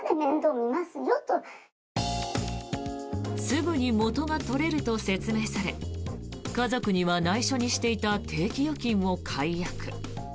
すぐに元が取れると説明され家族には内緒にしていた定期預金を解約。